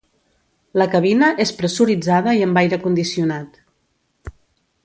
La cabina és pressuritzada i amb aire condicionat.